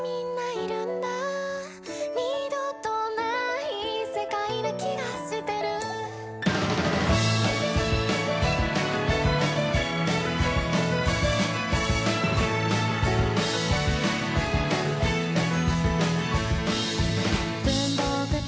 「二度とない世界な気がしてる」「文房具と時計